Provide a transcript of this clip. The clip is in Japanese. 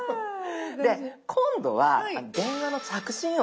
で今度は電話の着信音